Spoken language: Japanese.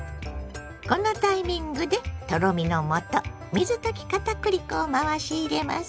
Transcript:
このタイミングでとろみのもと水溶き片栗粉を回し入れます。